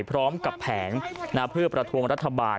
พร้อมกับแผงเพื่อประท้วงรัฐบาล